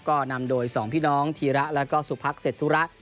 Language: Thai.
ก็นำโดย๒พี่น้องธีระและก็สุภักดิ์เศรษฐุระ